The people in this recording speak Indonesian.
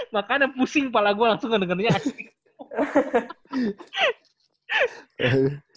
makanya pusing kepala gue langsung ngedengernya anjing